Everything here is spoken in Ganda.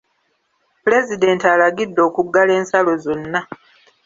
Pulezidenti alagidde okuggala ensalo zonna.